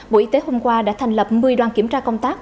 bộ y tế hôm qua đã thành lập một mươi đoàn kiểm tra công tác